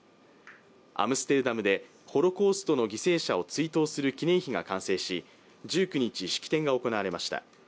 アムステルダムでホロコーストの犠牲者を追悼する記念碑が完成し、１９日、式典が行われました。